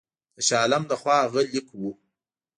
د شاه عالم له خوا هغه لیک وو.